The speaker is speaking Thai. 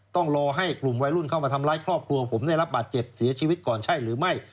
ต้องรอให้กลุ่มวัยรุ่นเข้ามาทำร้ายครอบครัวผมได้รับบาดเจ็บเสียชีวิตก่อนใช่หรือไม่